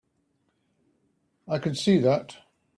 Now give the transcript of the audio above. I can see that.